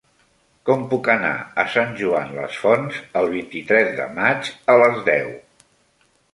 Com puc anar a Sant Joan les Fonts el vint-i-tres de maig a les deu?